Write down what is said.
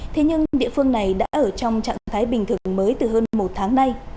thế nhưng địa phương này đã ở trong trạng thái bình thường mới từ hơn một tháng nay